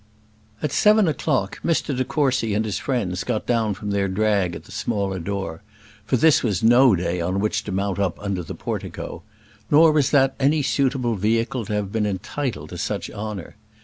At seven o'clock Mr de Courcy and his friends got down from their drag at the smaller door for this was no day on which to mount up under the portico; nor was that any suitable vehicle to have been entitled to such honour.